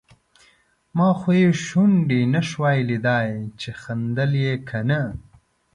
ما خو یې شونډې نشوای لیدای چې خندل یې که نه.